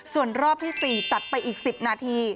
ส่วนรอบที่๔จัดไปอีก๑๐นาที